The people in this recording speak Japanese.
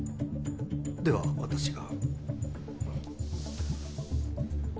では私が。